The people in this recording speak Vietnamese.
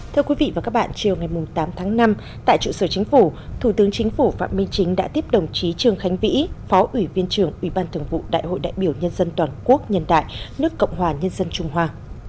thưa quý vị và các bạn chiều ngày tám tháng năm tại trụ sở chính phủ thủ tướng chính phủ phạm minh chính đã tiếp đồng chí trương khánh vĩ phó ủy viên trưởng ủy ban thường vụ đại hội đại biểu nhân dân toàn quốc nhân đại nước cộng hòa nhân dân trung hoa